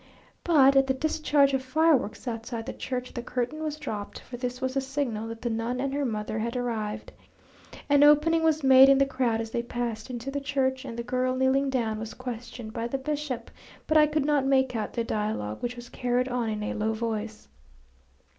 But at the discharge of fireworks outside the church the curtain was dropped, for this was the signal that the nun and her mother had arrived. An opening was made in the crowd as they passed into the church, and the girl, kneeling down, was questioned by the bishop, but I could not make out the dialogue, which was carried on in a low voice.